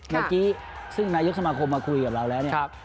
เมื่อกี้ซึ่งนายกสมาคมมาคุยกับเราแล้วเนี่ย